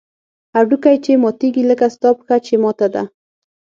هډوکى چې ماتېږي لکه ستا پښه چې ماته ده.